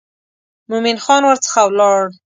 مومن خان ورڅخه ولاړ.